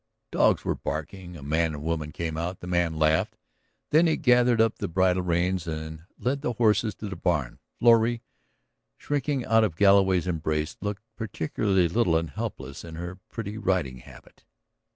Dogs were barking, a man and woman came out. The man laughed. Then he gathered up the bridle reins and led the horses to the barn. Florrie, shrinking out of Galloway's embrace, looked particularly little and helpless in her pretty riding habit.